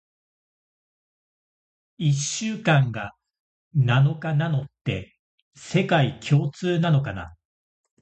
一週間が七日なのって、世界共通なのかな？